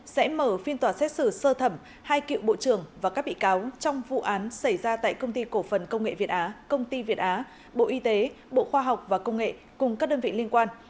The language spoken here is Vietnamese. sẽ mở phiên tòa xét xử sơ thẩm hai cựu bộ trưởng và các bị cáo trong vụ án xảy ra tại công ty cổ phần công nghệ việt á công ty việt á bộ y tế bộ khoa học và công nghệ cùng các đơn vị liên quan